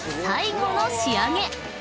［最後の仕上げ］